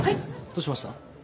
どうしました？